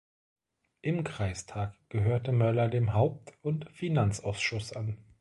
Im Kreistag gehörte Möller dem Haupt- und Finanzausschuss an.